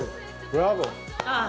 ブラボー。